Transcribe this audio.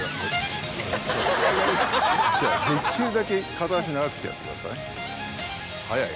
じゃあできるだけ片足長くしてやってください。